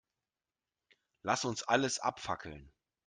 Lass uns alles abfackeln.